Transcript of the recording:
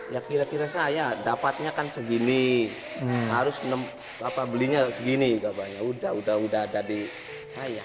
ya kira kira saya dapatnya kan segini harus belinya segini katanya udah udah ada di saya